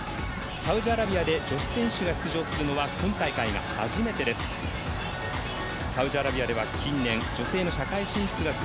サウジアラビアで女子選手が出場するのは今大会が初めてです。